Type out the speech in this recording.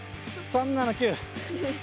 ３７９！